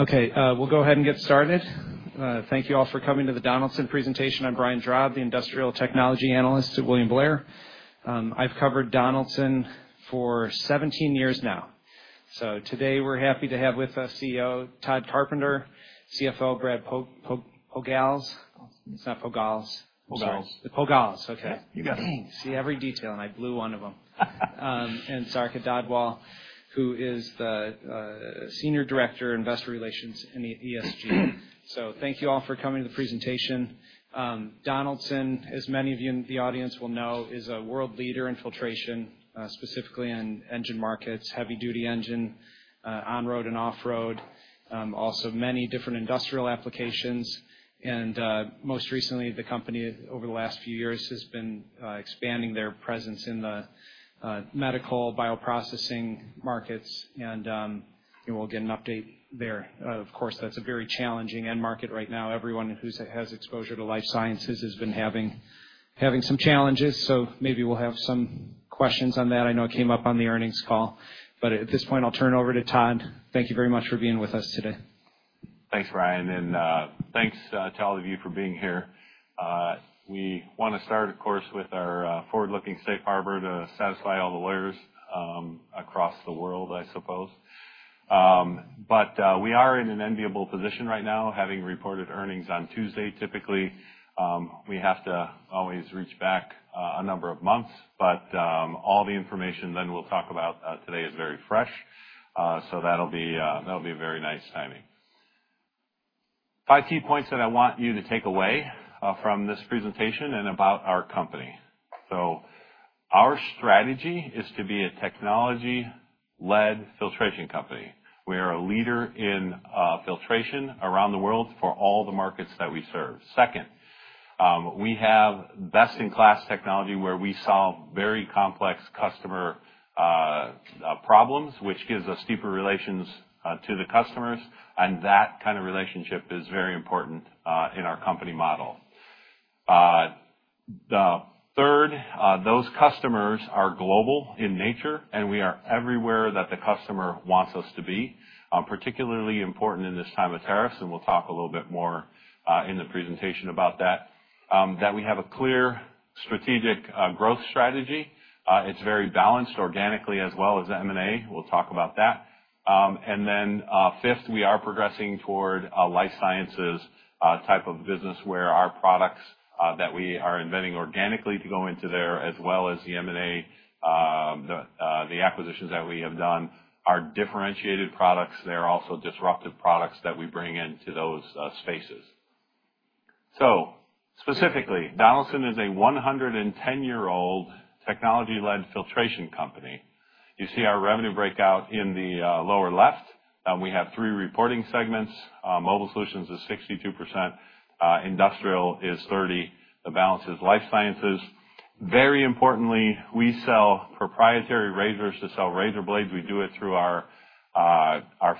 Okay, we'll go ahead and get started. Thank you all for coming to the Donaldson presentation. I'm Brian Drab, the Industrial Technology Analyst at William Blair. I've covered Donaldson for 17 years now. Today we're happy to have with us CEO Tod Carpenter, CFO Brad Pogalz. It's not Pogalz. Pogalz. Pogalz. Okay. Yeah, you got it. See every detail, and I blew one of them. And Sarika Dhadwal, who is the Senior Director of Investor Relations and ESG. Thank you all for coming to the presentation. Donaldson, as many of you in the audience will know, is a world leader in filtration, specifically in engine markets, heavy-duty engine, on-road and off-road, also many different industrial applications. Most recently, the company, over the last few years, has been expanding their presence in the medical bioprocessing markets. We'll get an update there. Of course, that's a very challenging end market right now. Everyone who has exposure to life sciences has been having some challenges. Maybe we'll have some questions on that. I know it came up on the earnings call. At this point, I'll turn it over to Tod. Thank you very much for being with us today. Thanks, Brian. And thanks to all of you for being here. We want to start, of course, with our forward-looking safe harbor to satisfy all the lawyers across the world, I suppose. We are in an enviable position right now, having reported earnings on Tuesday. Typically, we have to always reach back a number of months. All the information that we'll talk about today is very fresh. That will be very nice timing. Five key points that I want you to take away from this presentation and about our company. Our strategy is to be a technology-led filtration company. We are a leader in filtration around the world for all the markets that we serve. Second, we have best-in-class technology where we solve very complex customer problems, which gives us deeper relations to the customers. That kind of relationship is very important in our company model. Third, those customers are global in nature, and we are everywhere that the customer wants us to be. Particularly important in this time of tariffs, and we'll talk a little bit more in the presentation about that, that we have a clear strategic growth strategy. It's very balanced organically as well as M&A. We'll talk about that. Fifth, we are progressing toward a life sciences type of business where our products that we are inventing organically to go into there, as well as the M&A, the acquisitions that we have done, are differentiated products. They're also disruptive products that we bring into those spaces. Specifically, Donaldson is a 110-year-old technology-led filtration company. You see our revenue breakout in the lower left. We have three reporting segments. Mobile Solutions is 62%, Industrial is 30%, the balance is life sciences. Very importantly, we sell proprietary razors to sell razor blades. We do it through our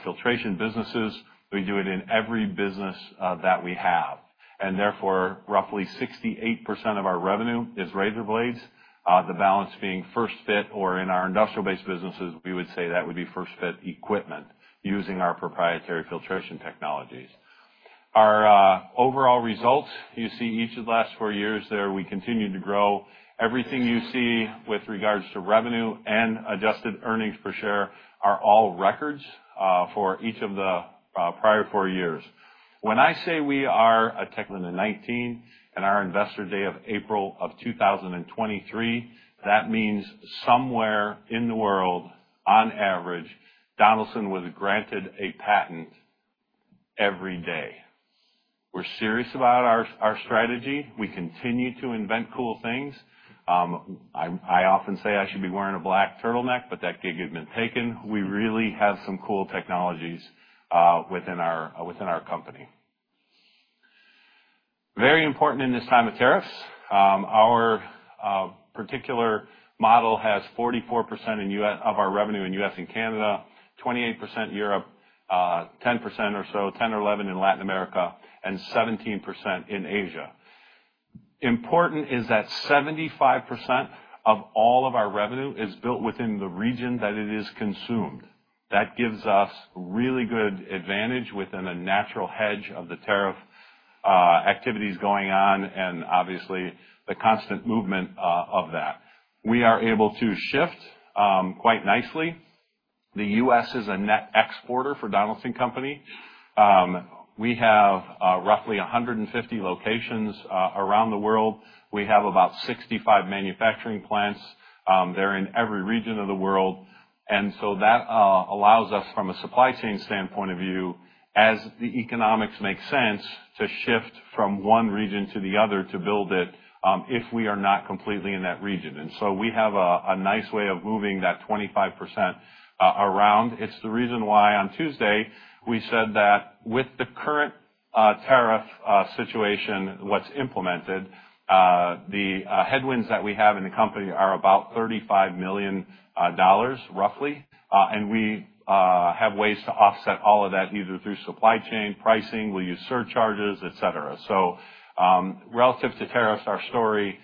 filtration businesses. We do it in every business that we have. Therefore, roughly 68% of our revenue is razor blades, the balance being first fit or in our industrial-based businesses, we would say that would be first fit equipment using our proprietary filtration technologies. Our overall results, you see each of the last 4 years there, we continue to grow. Everything you see with regards to revenue and adjusted earnings per share are all records for each of the prior 4 years. When I say we are a 2019 and our investor day of April of 2023, that means somewhere in the world, on average, Donaldson was granted a patent every day. We're serious about our strategy. We continue to invent cool things. I often say I should be wearing a black turtleneck, but that gig had been taken. We really have some cool technologies within our company. Very important in this time of tariffs. Our particular model has 44% of our revenue in the U.S. and Canada, 28% Europe, 10% or so, 10% or 11% in Latin America, and 17% in Asia. Important is that 75% of all of our revenue is built within the region that it is consumed. That gives us really good advantage within a natural hedge of the tariff activities going on and obviously the constant movement of that. We are able to shift quite nicely. The U.S. is a net exporter for Donaldson Company. We have roughly 150 locations around the world. We have about 65 manufacturing plants. They're in every region of the world. That allows us, from a supply chain standpoint of view, as the economics make sense, to shift from one region to the other to build it if we are not completely in that region. We have a nice way of moving that 25% around. It is the reason why on Tuesday we said that with the current tariff situation, what is implemented, the headwinds that we have in the company are about $35 million, roughly. We have ways to offset all of that, either through supply chain, pricing, we will use surcharges, etc. Relative to tariffs, our story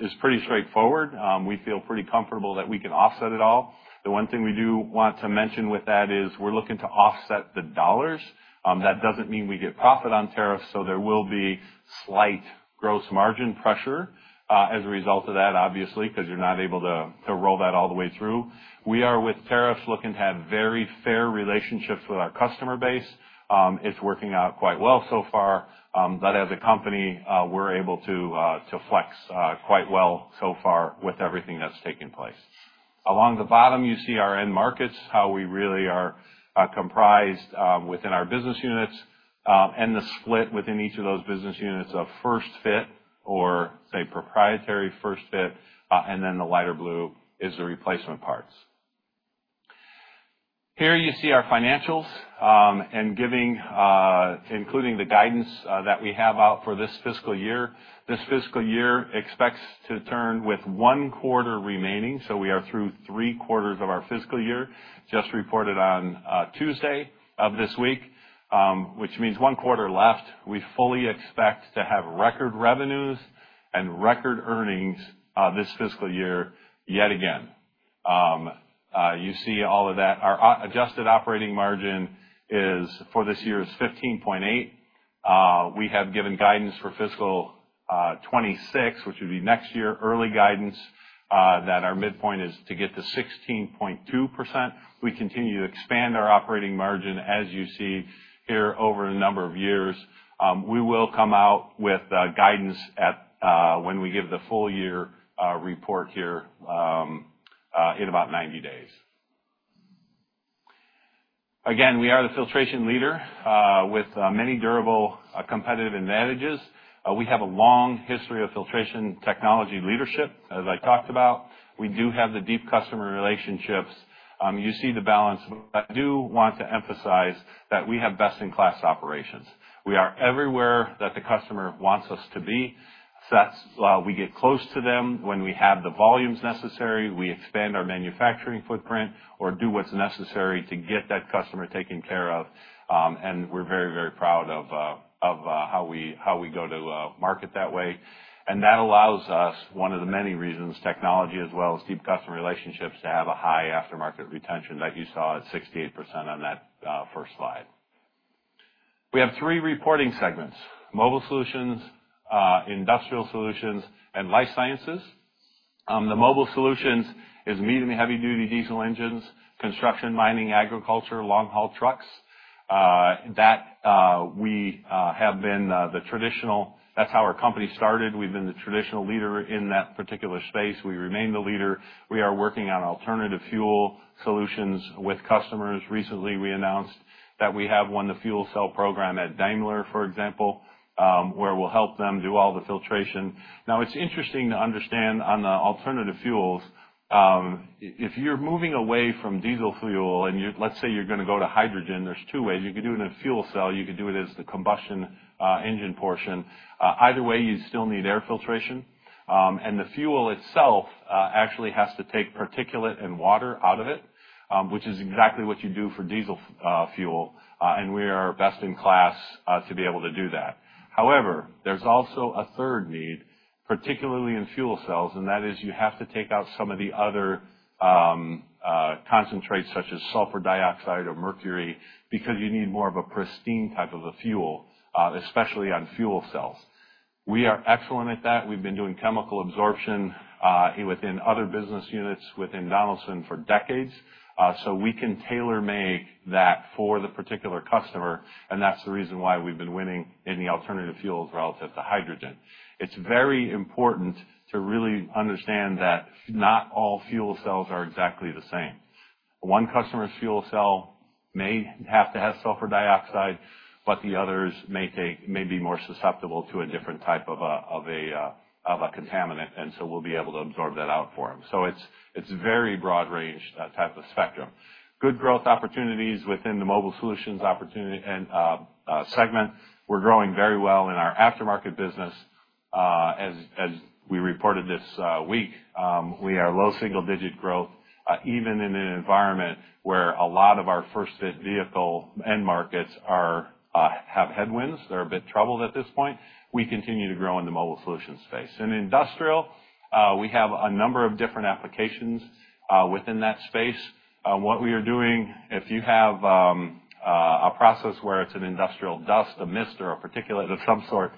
is pretty straightforward. We feel pretty comfortable that we can offset it all. The one thing we do want to mention with that is we are looking to offset the dollars. That does not mean we get profit on tariffs, so there will be slight gross margin pressure as a result of that, obviously, because you are not able to roll that all the way through. We are with tariffs looking to have very fair relationships with our customer base. It is working out quite well so far. As a company, we are able to flex quite well so far with everything that has taken place. Along the bottom, you see our end markets, how we really are comprised within our business units, and the split within each of those business units of first fit or, say, proprietary first fit. The lighter blue is the replacement parts. Here you see our financials and including the guidance that we have out for this fiscal year. This fiscal year expects to turn with one quarter remaining. We are through three quarters of our fiscal year, just reported on Tuesday of this week, which means one quarter left. We fully expect to have record revenues and record earnings this fiscal year yet again. You see all of that. Our adjusted operating margin for this year is 15.8%. We have given guidance for fiscal 2026, which would be next year, early guidance that our midpoint is to get to 16.2%. We continue to expand our operating margin, as you see here, over a number of years. We will come out with guidance when we give the full year report here in about 90 days. Again, we are the filtration leader with many durable competitive advantages. We have a long history of filtration technology leadership, as I talked about. We do have the deep customer relationships. You see the balance. I do want to emphasize that we have best-in-class operations. We are everywhere that the customer wants us to be. We get close to them when we have the volumes necessary. We expand our manufacturing footprint or do what is necessary to get that customer taken care of. We are very, very proud of how we go to market that way. That allows us, one of the many reasons, technology as well as deep customer relationships, to have a high aftermarket retention that you saw at 68% on that first slide. We have three reporting segments: mobile solutions, industrial solutions, and life sciences. The mobile solutions is medium and heavy-duty diesel engines, construction, mining, agriculture, long-haul trucks. That has been the traditional—that is how our company started. We have been the traditional leader in that particular space. We remain the leader. We are working on alternative fuel solutions with customers. Recently, we announced that we have won the fuel cell program at Daimler, for example, where we'll help them do all the filtration. Now, it's interesting to understand on the alternative fuels. If you're moving away from diesel fuel and let's say you're going to go to hydrogen, there's two ways. You could do it in a fuel cell. You could do it as the combustion engine portion. Either way, you still need air filtration. The fuel itself actually has to take particulate and water out of it, which is exactly what you do for diesel fuel. We are best in class to be able to do that. However, there's also a third need, particularly in fuel cells, and that is you have to take out some of the other concentrates, such as sulfur dioxide or mercury, because you need more of a pristine type of a fuel, especially on fuel cells. We are excellent at that. We've been doing chemical absorption within other business units within Donaldson for decades. We can tailor-make that for the particular customer. That's the reason why we've been winning in the alternative fuels relative to hydrogen. It's very important to really understand that not all fuel cells are exactly the same. One customer's fuel cell may have to have sulfur dioxide, but the others may be more susceptible to a different type of a contaminant. We will be able to absorb that out for them. It's a very broad-ranged type of spectrum. Good growth opportunities within the mobile solutions segment. We're growing very well in our aftermarket business. As we reported this week, we are low single-digit growth, even in an environment where a lot of our first-fit vehicle end markets have headwinds. They're a bit troubled at this point. We continue to grow in the mobile solution space. In industrial, we have a number of different applications within that space. What we are doing, if you have a process where it's an industrial dust, a mist, or a particulate of some sort,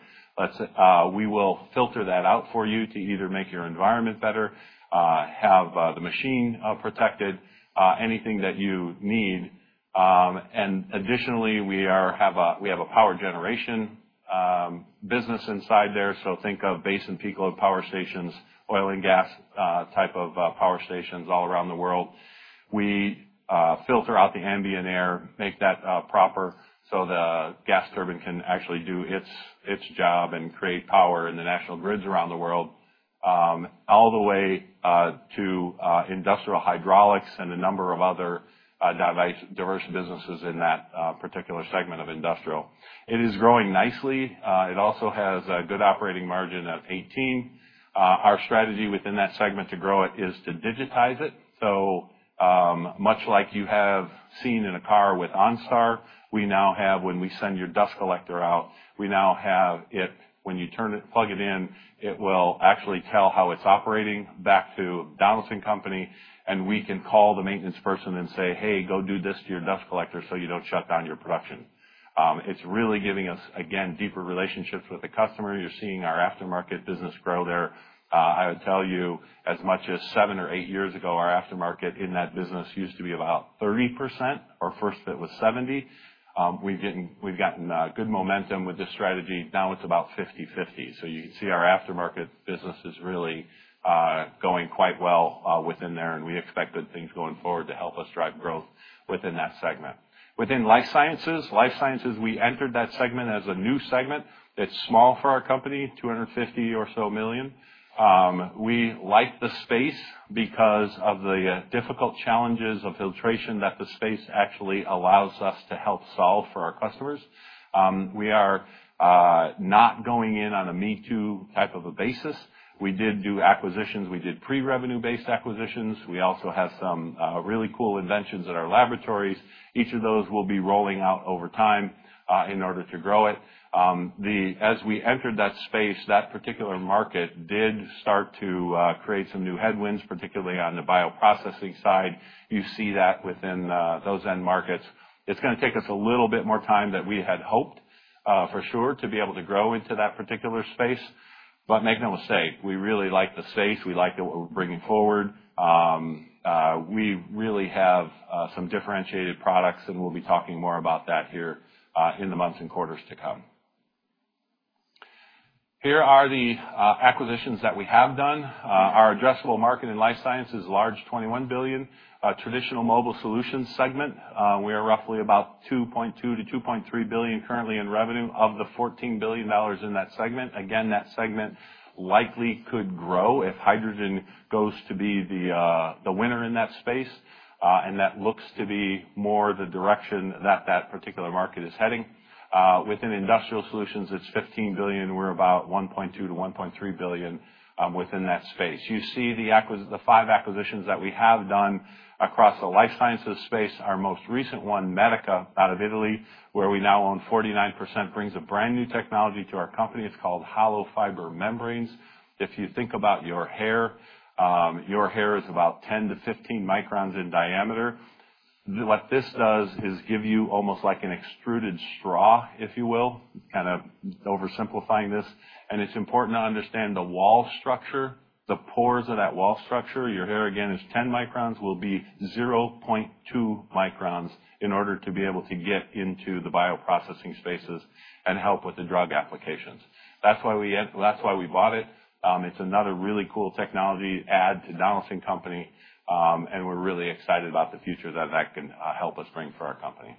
we will filter that out for you to either make your environment better, have the machine protected, anything that you need. Additionally, we have a power generation business inside there. Think of basin peak load power stations, oil and gas type of power stations all around the world. We filter out the ambient air, make that proper so the gas turbine can actually do its job and create power in the national grids around the world, all the way to industrial hydraulics and a number of other diverse businesses in that particular segment of industrial. It is growing nicely. It also has a good operating margin of 18%. Our strategy within that segment to grow it is to digitize it. Much like you have seen in a car with OnStar, we now have, when we send your dust collector out, we now have it, when you plug it in, it will actually tell how it's operating back to Donaldson Company. We can call the maintenance person and say, "Hey, go do this to your dust collector so you don't shut down your production." It's really giving us, again, deeper relationships with the customer. You're seeing our aftermarket business grow there. I would tell you, as much as 7 years or 8 years ago, our aftermarket in that business used to be about 30%, or first fit was 70%. We've gotten good momentum with this strategy. Now it's about 50/50. You can see our aftermarket business is really going quite well within there. We expect good things going forward to help us drive growth within that segment. Within life sciences, life sciences, we entered that segment as a new segment. It's small for our company, $250 million or so. We like the space because of the difficult challenges of filtration that the space actually allows us to help solve for our customers. We are not going in on a me-too type of a basis. We did do acquisitions. We did pre-revenue-based acquisitions. We also have some really cool inventions in our laboratories. Each of those will be rolling out over time in order to grow it. As we entered that space, that particular market did start to create some new headwinds, particularly on the bioprocessing side. You see that within those end markets. It's going to take us a little bit more time than we had hoped, for sure, to be able to grow into that particular space. Make no mistake, we really like the space. We like what we're bringing forward. We really have some differentiated products, and we'll be talking more about that here in the months and quarters to come. Here are the acquisitions that we have done. Our addressable market in life sciences is large, $21 billion. Traditional mobile solutions segment, we are roughly about $2.2 billion-$2.3 billion currently in revenue of the $14 billion in that segment. Again, that segment likely could grow if hydrogen goes to be the winner in that space. That looks to be more the direction that that particular market is heading. Within industrial solutions, it is $15 billion. We are about $1.2-$1.3 billion within that space. You see the five acquisitions that we have done across the life sciences space. Our most recent one, Medica, out of Italy, where we now own 49%, brings a brand new technology to our company. It is called Hollow Fiber Membranes. If you think about your hair, your hair is about 10-15 microns in diameter. What this does is give you almost like an extruded straw, if you will, kind of oversimplifying this. It is important to understand the wall structure, the pores of that wall structure. Your hair, again, is 10 microns, will be 0.2 microns in order to be able to get into the bioprocessing spaces and help with the drug applications. That's why we bought it. It's another really cool technology add to Donaldson Company. We are really excited about the future that that can help us bring for our company.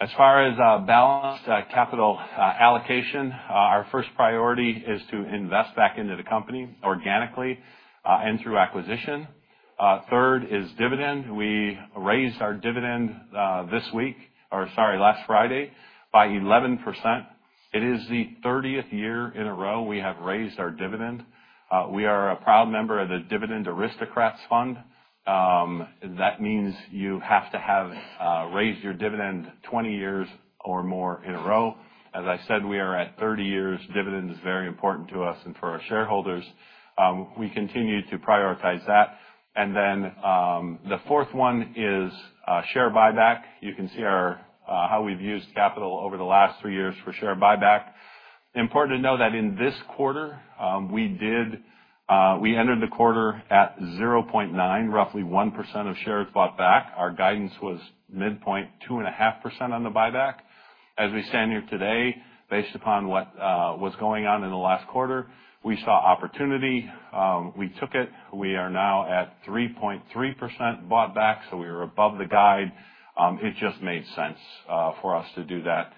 As far as balanced capital allocation, our first priority is to invest back into the company organically and through acquisition. Third is dividend. We raised our dividend this week, or sorry, last Friday, by 11%. It is the 30th year in a row we have raised our dividend. We are a proud member of the Dividend Aristocrats Fund. That means you have to have raised your dividend 20 years or more in a row. As I said, we are at 30 years. Dividend is very important to us and for our shareholders. We continue to prioritize that. The fourth one is share buyback. You can see how we've used capital over the last 3 years for share buyback. Important to know that in this quarter, we entered the quarter at 0.9%, roughly 1% of shares bought back. Our guidance was midpoint 2.5% on the buyback. As we stand here today, based upon what was going on in the last quarter, we saw opportunity. We took it. We are now at 3.3% bought back. We were above the guide. It just made sense for us to do that.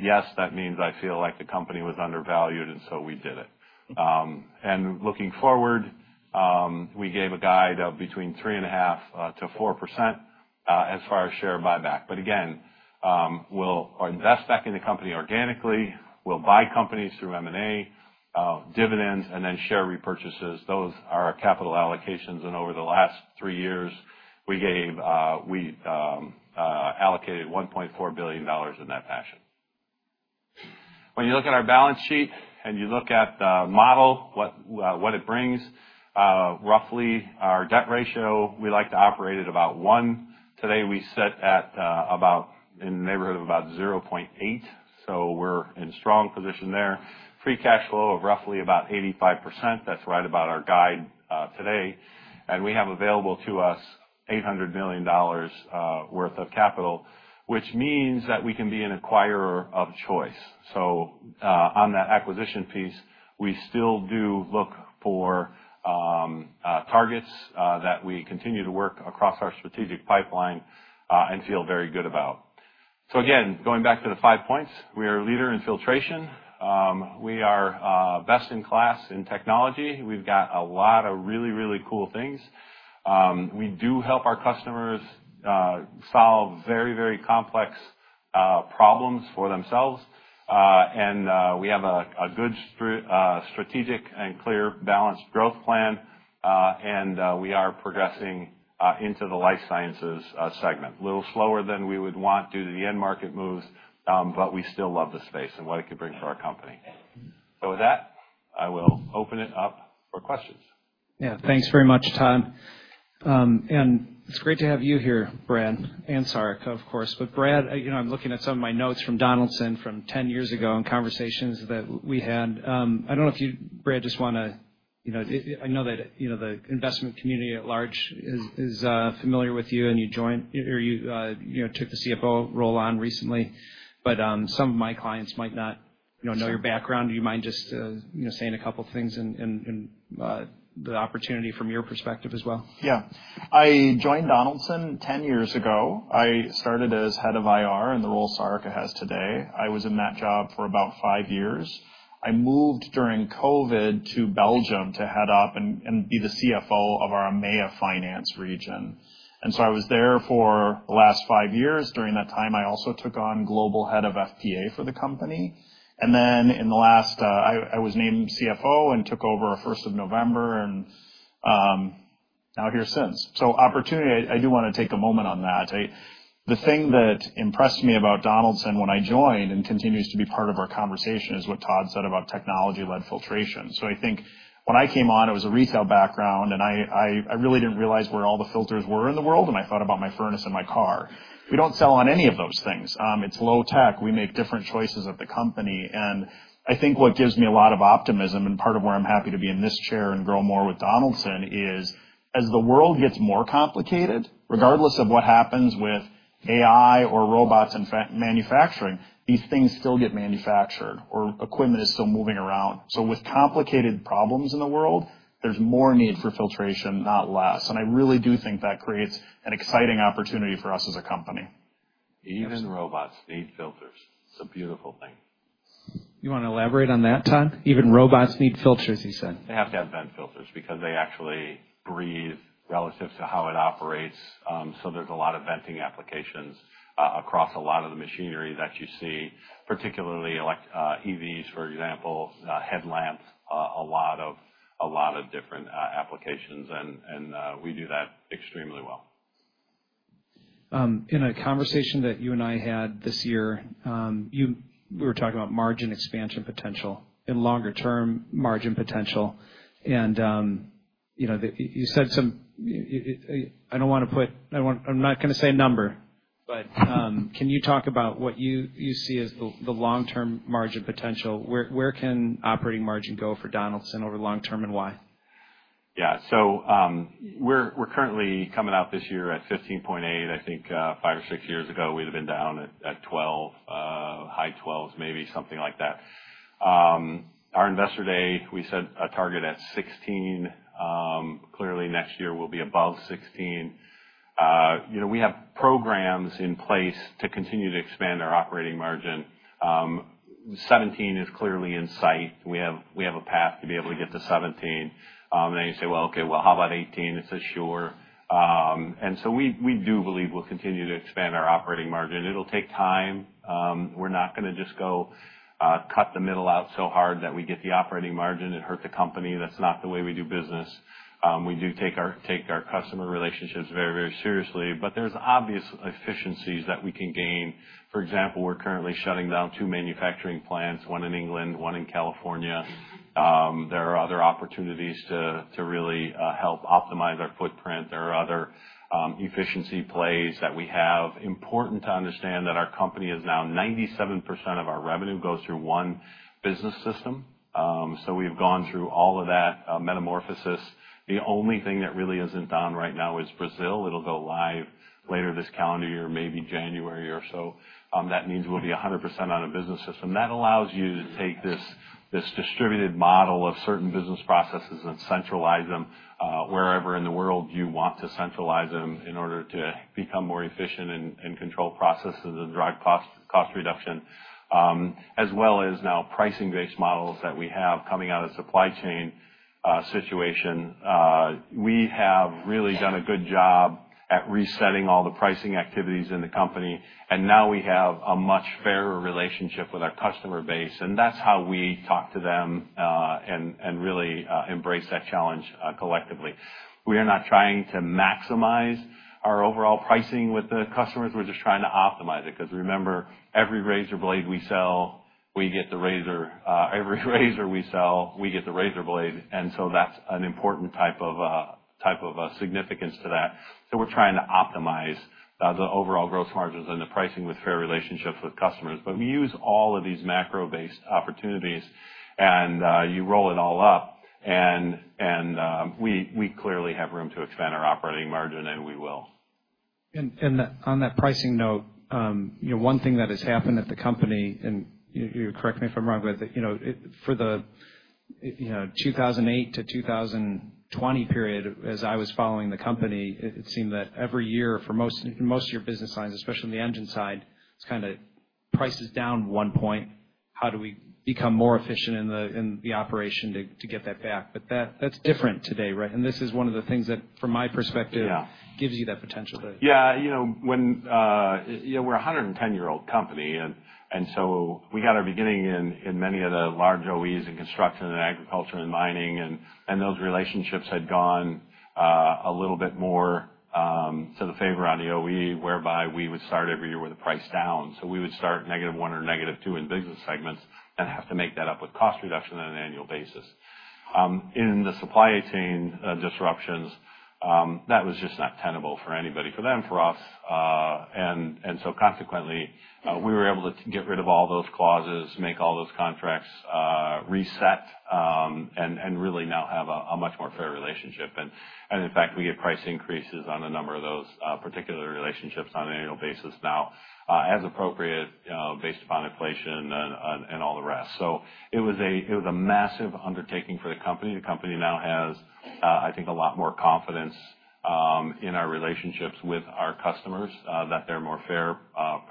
Yes, that means I feel like the company was undervalued, and we did it. Looking forward, we gave a guide of between 3.5%-4% as far as share buyback. Again, we'll invest back in the company organically. We'll buy companies through M&A, dividends, and then share repurchases. Those are our capital allocations. Over the last 3 years, we allocated $1.4 billion in that fashion. When you look at our balance sheet and you look at the model, what it brings, roughly our debt ratio, we like to operate at about 1%. Today, we sit in the neighborhood of about 0.8%. We are in a strong position there. Free cash flow of roughly about 85%. That is right about our guide today. We have available to us $800 million worth of capital, which means that we can be an acquirer of choice. On that acquisition piece, we still do look for targets that we continue to work across our strategic pipeline and feel very good about. Again, going back to the five points, we are a leader in filtration. We are best in class in technology. We have got a lot of really, really cool things. We do help our customers solve very, very complex problems for themselves. We have a good strategic and clear balanced growth plan. We are progressing into the life sciences segment, a little slower than we would want due to the end market moves. We still love the space and what it could bring for our company. With that, I will open it up for questions. Yeah. Thanks very much, Tod. It is great to have you here, Brad and Sarika, of course. Brad, I am looking at some of my notes from Donaldson from 10 years ago and conversations that we had. I do not know if you, Brad, just want to—I know that the investment community at large is familiar with you and you joined, or you took the CFO role on recently. Some of my clients might not know your background. Do you mind just saying a couple of things and the opportunity from your perspective as well? Yeah. I joined Donaldson 10 years ago. I started as Head of IR in the role Sarika has today. I was in that job for about 5 years. I moved during COVID to Belgium to head up and be the CFO of our AMEA finance region. I was there for the last 5 years. During that time, I also took on global head of FPA for the company. In the last—I was named CFO and took over 1st of November and now here since. Opportunity, I do want to take a moment on that. The thing that impressed me about Donaldson when I joined and continues to be part of our conversation is what Tod said about technology-led filtration. I think when I came on, it was a retail background, and I really did not realize where all the filters were in the world. I thought about my furnace and my car. We do not sell on any of those things. It is low tech. We make different choices at the company. I think what gives me a lot of optimism and part of where I am happy to be in this chair and grow more with Donaldson is, as the world gets more complicated, regardless of what happens with AI or robots and manufacturing, these things still get manufactured or equipment is still moving around. With complicated problems in the world, there is more need for filtration, not less. I really do think that creates an exciting opportunity for us as a company. Even robots need filters. It is a beautiful thing. You want to elaborate on that, Tod? Even robots need filters, you said. They have to have vent filters because they actually breathe relative to how it operates. There is a lot of venting applications across a lot of the machinery that you see, particularly EVs, for example, headlamps, a lot of different applications. We do that extremely well. In a conversation that you and I had this year, we were talking about margin expansion potential and longer-term margin potential. You said some—I do not want to put—I am not going to say a number. Can you talk about what you see as the long-term margin potential? Where can operating margin go for Donaldson over long-term and why? Yeah. We are currently coming out this year at 15.8%. I think 5 years or 6 years ago, we had been down at 12%, high 12s, maybe something like that. Our investor day, we set a target at 16%. Clearly, next year, we'll be above 16%. We have programs in place to continue to expand our operating margin. 17% is clearly in sight. We have a path to be able to get to 17%. You say, "Well, okay, well, how about 18%?" It's a sure. We do believe we'll continue to expand our operating margin. It'll take time. We're not going to just go cut the middle out so hard that we get the operating margin and hurt the company. That's not the way we do business. We do take our customer relationships very, very seriously. There are obvious efficiencies that we can gain. For example, we're currently shutting down two manufacturing plants, one in England, one in California. There are other opportunities to really help optimize our footprint. There are other efficiency plays that we have. Important to understand that our company is now 97% of our revenue goes through one business system. We have gone through all of that metamorphosis. The only thing that really is not done right now is Brazil. It will go live later this calendar year, maybe January or so. That means we will be 100% on a business system. That allows you to take this distributed model of certain business processes and centralize them wherever in the world you want to centralize them in order to become more efficient and control processes and drive cost reduction, as well as now pricing-based models that we have coming out of supply chain situation. We have really done a good job at resetting all the pricing activities in the company. We now have a much fairer relationship with our customer base. That is how we talk to them and really embrace that challenge collectively. We are not trying to maximize our overall pricing with the customers. We're just trying to optimize it. Because remember, every razor blade we sell, we get the razor. Every razor we sell, we get the razor blade. That is an important type of significance to that. We are trying to optimize the overall gross margins and the pricing with fair relationships with customers. We use all of these macro-based opportunities. You roll it all up. We clearly have room to expand our operating margin, and we will. On that pricing note, one thing that has happened at the company—you correct me if I'm wrong—for the 2008 to 2020 period, as I was following the company, it seemed that every year for most of your business lines, especially on the engine side, it's kind of prices down one point. How do we become more efficient in the operation to get that back? That is different today, right? This is one of the things that, from my perspective, gives you that potential. Yeah. We are a 110-year-old company. We got our beginning in many of the large OEs in construction and agriculture and mining. Those relationships had gone a little bit more to the favor on the OE, whereby we would start every year with a price down. We would start negative 1 or negative 2 in business segments and have to make that up with cost reduction on an annual basis. In the supply chain disruptions, that was just not tenable for anybody, for them, for us. Consequently, we were able to get rid of all those clauses, make all those contracts, reset, and really now have a much more fair relationship. In fact, we get price increases on a number of those particular relationships on an annual basis now, as appropriate, based upon inflation and all the rest. It was a massive undertaking for the company. The company now has, I think, a lot more confidence in our relationships with our customers, that they are more fair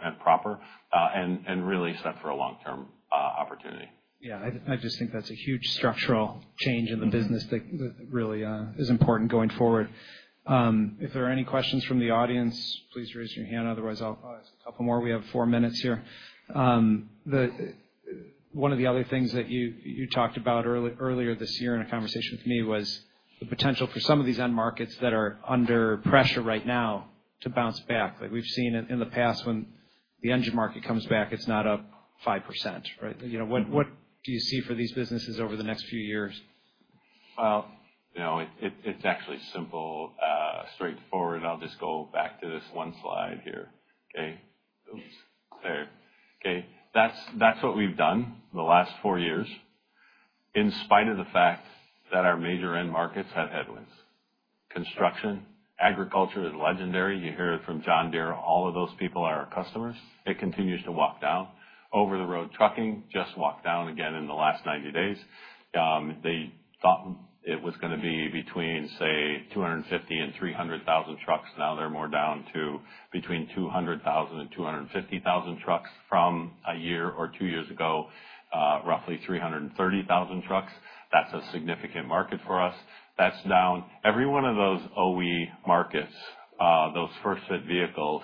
and proper, and really set for a long-term opportunity. I just think that is a huge structural change in the business that really is important going forward. If there are any questions from the audience, please raise your hand. Otherwise, I will ask a couple more. We have four minutes here. One of the other things that you talked about earlier this year in a conversation with me was the potential for some of these end markets that are under pressure right now to bounce back. We've seen in the past when the engine market comes back, it's not up 5%, right? What do you see for these businesses over the next few years? It is actually simple, straightforward. I'll just go back to this one slide here. Okay? Oops. There. Okay. That's what we've done the last 4 years in spite of the fact that our major end markets have headwinds. Construction, agriculture is legendary. You hear it from John Deere. All of those people are our customers. It continues to walk down. Over-the-road trucking just walked down again in the last 90 days. They thought it was going to be between, say, 250,000 and 300,000 trucks. Now they're more down to between 200,000 and 250,000 trucks. From a year or 1 years ago, roughly 330,000 trucks. That's a significant market for us. Every one of those OE markets, those first-fit vehicles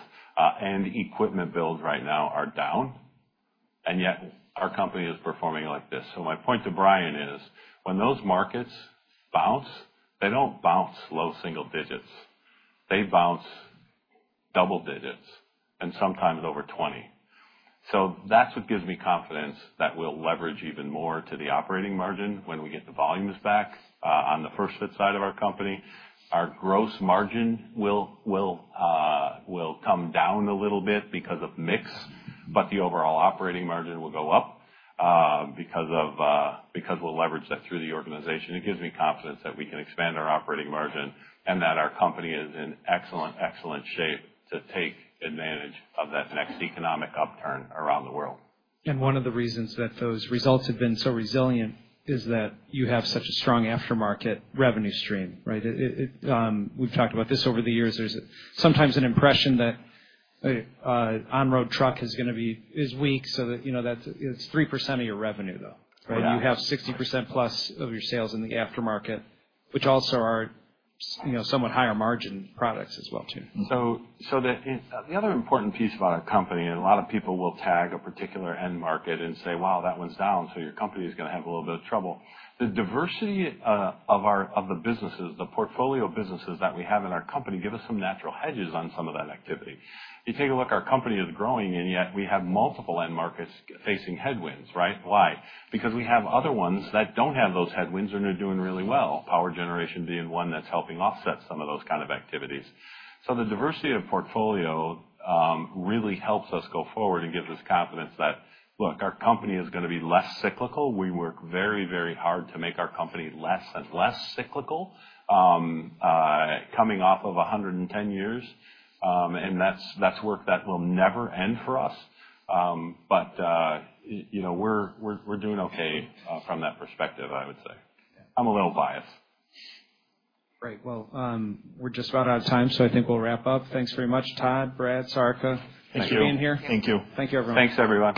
and equipment builds right now are down. Yet our company is performing like this. My point to Brian is, when those markets bounce, they do not bounce low single digits. They bounce double digits and sometimes over 20%. That is what gives me confidence that we will leverage even more to the operating margin when we get the volumes back on the first-fit side of our company. Our gross margin will come down a little bit because of mix, but the overall operating margin will go up because we will leverage that through the organization. It gives me confidence that we can expand our operating margin and that our company is in excellent, excellent shape to take advantage of that next economic upturn around the world. One of the reasons that those results have been so resilient is that you have such a strong aftermarket revenue stream, right? We've talked about this over the years. There's sometimes an impression that on-road truck is going to be weak. It is 3% of your revenue, though, right? You have 60% plus of your sales in the aftermarket, which also are somewhat higher margin products as well too. The other important piece about our company, and a lot of people will tag a particular end market and say, "Wow, that one's down. Your company is going to have a little bit of trouble." The diversity of the businesses, the portfolio of businesses that we have in our company give us some natural hedges on some of that activity. You take a look, our company is growing, and yet we have multiple end markets facing headwinds, right? Why? Because we have other ones that do not have those headwinds and are doing really well. Power generation being one that is helping offset some of those kinds of activities. The diversity of portfolio really helps us go forward and gives us confidence that, look, our company is going to be less cyclical. We work very, very hard to make our company less and less cyclical coming off of 110 years. That is work that will never end for us. We are doing okay from that perspective, I would say. I am a little biased. Right. We are just about out of time, so I think we will wrap up. Thanks very much, Tod, Brad, Sarika, thanks for being here. Thank you. Thank you. Thank you, everyone. Thanks, everyone.